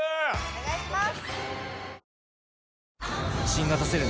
お願いします！